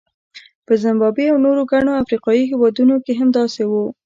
په زیمبابوې او نورو ګڼو افریقایي هېوادونو کې هم داسې وو.